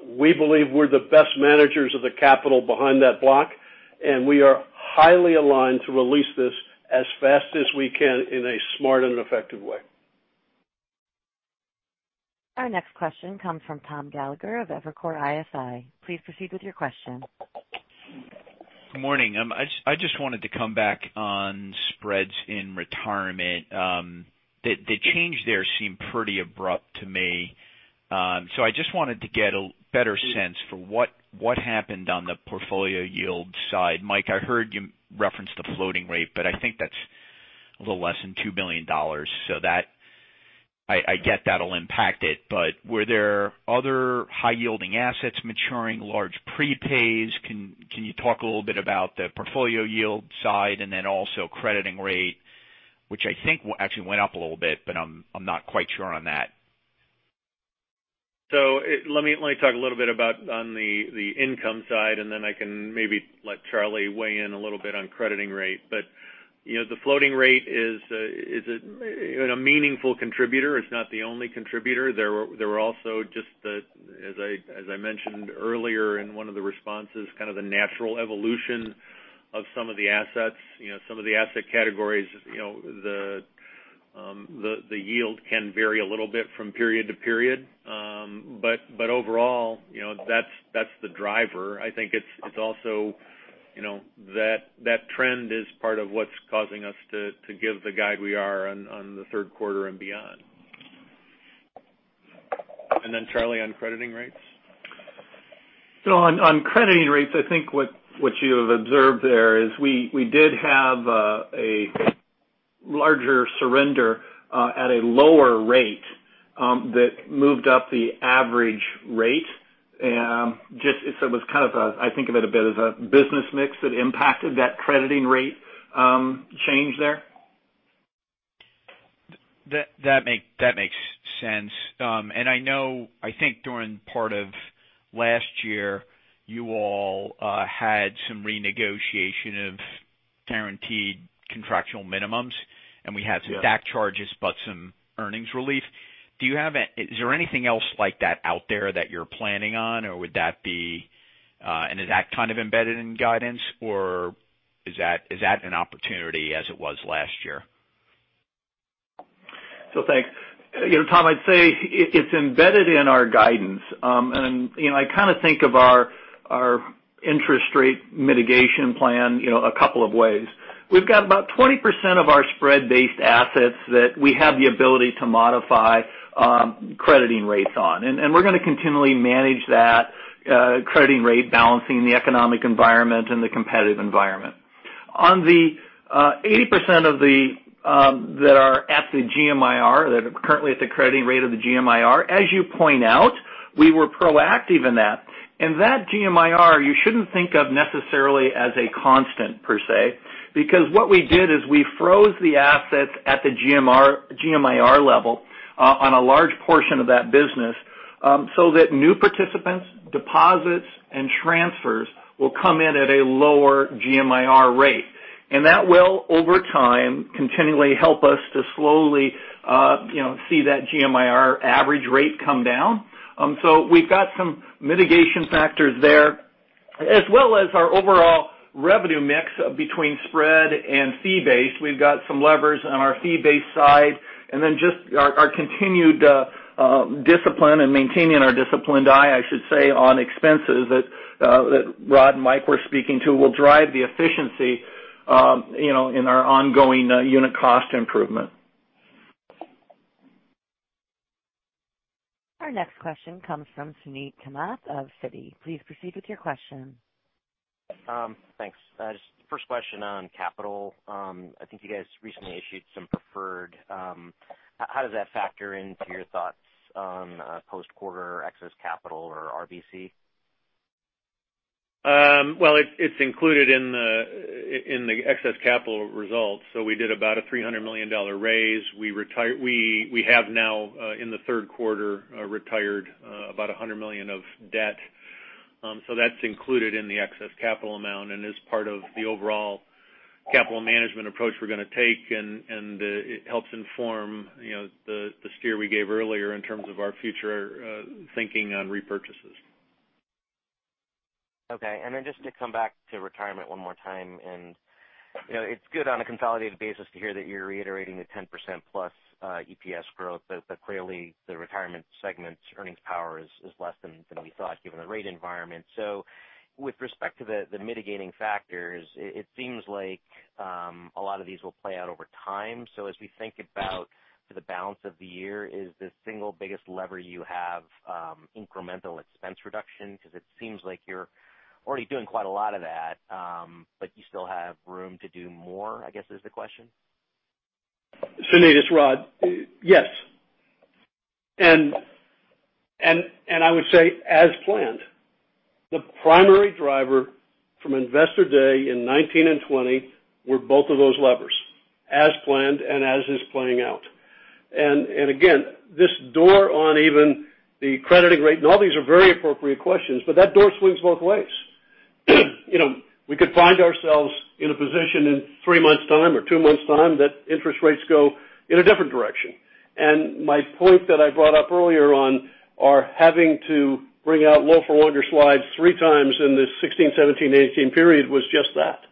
Speaker 3: We believe we're the best managers of the capital behind that block, and we are highly aligned to release this as fast as we can in a smart and effective way.
Speaker 1: Our next question comes from Thomas Gallagher of Evercore ISI. Please proceed with your question.
Speaker 15: Good morning. I just wanted to come back on spreads in retirement. The change there seemed pretty abrupt to me. I just wanted to get a better sense for what happened on the portfolio yield side. Mike, I heard you reference the floating rate, I think that's a little less than $2 billion. I get that'll impact it, were there other high-yielding assets maturing large prepays? Can you talk a little bit about the portfolio yield side and then also crediting rate, which I think actually went up a little bit, I'm not quite sure on that.
Speaker 4: Let me talk a little bit about on the income side, I can maybe let Charlie weigh in a little bit on crediting rate. The floating rate is a meaningful contributor. It's not the only contributor. There were also just the, as I mentioned earlier in one of the responses, kind of the natural evolution of some of the assets. Some of the asset categories, the yield can vary a little bit from period to period. Overall, that's the driver. I think it's also that trend is part of what's causing us to give the guide we are on the third quarter and beyond. Charlie, on crediting rates.
Speaker 6: On crediting rates, I think what you have observed there is we did have a larger surrender at a lower rate that moved up the average rate. I think of it a bit as a business mix that impacted that crediting rate change there.
Speaker 15: That makes sense. I know, I think during part of last year, you all had some renegotiation of guaranteed contractual minimums, we had some DAC charges, some earnings relief. Is there anything else like that out there that you're planning on? Is that kind of embedded in guidance, or is that an opportunity as it was last year?
Speaker 6: Thanks. Tom, I'd say it's embedded in our guidance. I kind of think of our interest rate mitigation plan a couple of ways. We've got about 20% of our spread-based assets that we have the ability to modify crediting rates on. We're going to continually manage that crediting rate balancing the economic environment and the competitive environment. On the 80% that are at the GMIR, that are currently at the crediting rate of the GMIR, as you point out, we were proactive in that. That GMIR, you shouldn't think of necessarily as a constant per se, because what we did is we froze the assets at the GMIR level on a large portion of that business, so that new participants, deposits, and transfers will come in at a lower GMIR rate. That will, over time, continually help us to slowly see that GMIR average rate come down. We've got some mitigation factors there, as well as our overall revenue mix between spread and fee-based. We've got some levers on our fee-based side, and then just our continued discipline and maintaining our disciplined eye, I should say, on expenses that Rod and Mike were speaking to will drive the efficiency in our ongoing unit cost improvement.
Speaker 1: Our next question comes from Suneet Kamath of Citi. Please proceed with your question.
Speaker 16: Thanks. Just first question on capital. I think you guys recently issued some preferred. How does that factor into your thoughts on post-quarter excess capital or RBC?
Speaker 4: Well, it's included in the excess capital results. We did about a $300 million raise. We have now, in the third quarter, retired about $100 million of debt. That's included in the excess capital amount and is part of the overall capital management approach we're going to take, and it helps inform the steer we gave earlier in terms of our future thinking on repurchases.
Speaker 16: Okay. Just to come back to Voya Retirement one more time, it's good on a consolidated basis to hear that you're reiterating the 10%+ EPS growth, clearly the Voya Retirement segment earnings power is less than we thought given the rate environment. With respect to the mitigating factors, it seems like a lot of these will play out over time. As we think about for the balance of the year, is the single biggest lever you have incremental expense reduction? It seems like you're already doing quite a lot of that, but you still have room to do more, I guess is the question.
Speaker 3: Suneet, it's Rod. Yes. I would say as planned. The primary driver from Investor Day in 2019 and 2020 were both of those levers, as planned and as is playing out. This door on even the crediting rate, all these are very appropriate questions, that door swings both ways. We could find ourselves in a position in three months' time or two months' time that interest rates go in a different direction. My point that I brought up earlier on our having to bring out low for longer slides three times in this 2016, 2017, 2018 period was just that.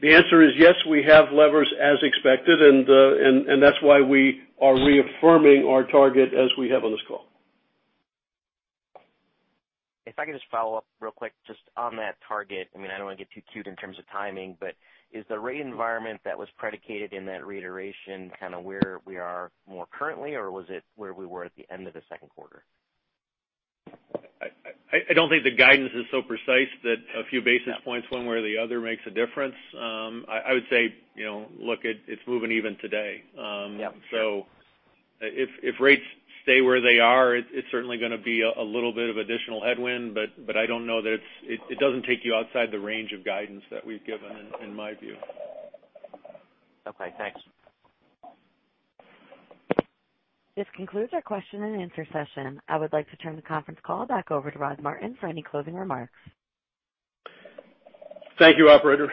Speaker 3: The answer is yes, we have levers as expected, and that's why we are reaffirming our target as we have on this call.
Speaker 16: If I could just follow up real quick just on that target. I don't want to get too cute in terms of timing, but is the rate environment that was predicated in that reiteration kind of where we are more currently, or was it where we were at the end of the second quarter?
Speaker 4: I don't think the guidance is so precise that a few basis points one way or the other makes a difference. I would say, look, it's moving even today.
Speaker 16: Yeah.
Speaker 4: If rates stay where they are, it's certainly going to be a little bit of additional headwind, but I don't know that it doesn't take you outside the range of guidance that we've given, in my view.
Speaker 16: Okay, thanks.
Speaker 1: This concludes our question and answer session. I would like to turn the conference call back over to Rod Martin for any closing remarks.
Speaker 3: Thank you, operator.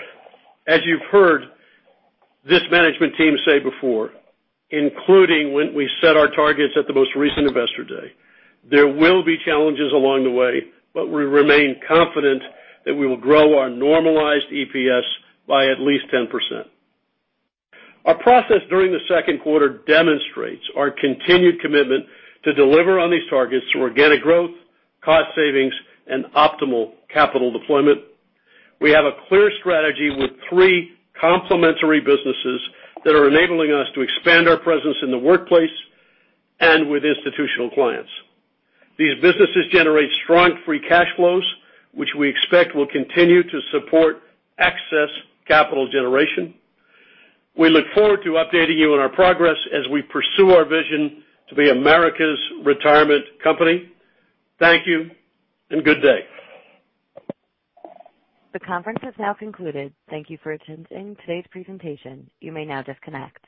Speaker 3: As you've heard this management team say before, including when we set our targets at the most recent Investor Day, there will be challenges along the way, but we remain confident that we will grow our normalized EPS by at least 10%. Our process during the second quarter demonstrates our continued commitment to deliver on these targets through organic growth, cost savings, and optimal capital deployment. We have a clear strategy with three complementary businesses that are enabling us to expand our presence in the workplace and with institutional clients. These businesses generate strong free cash flows, which we expect will continue to support excess capital generation. We look forward to updating you on our progress as we pursue our vision to be America's Retirement Company. Thank you and good day.
Speaker 1: The conference has now concluded. Thank you for attending today's presentation. You may now disconnect.